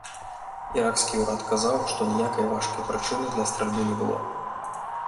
Іракскі ўрад казаў, што ніякай важкай прычыны для стральбы не было.